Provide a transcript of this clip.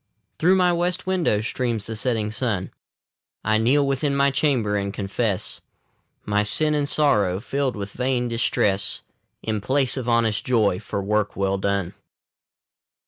Through my west window streams the setting sun. I kneel within my chamber, and confess My sin and sorrow, filled with vain distress, In place of honest joy for work well done.